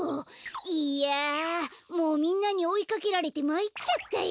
いやもうみんなにおいかけられてまいっちゃったよ。